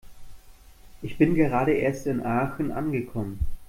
Ich bin gerade erst in Aachen angekommen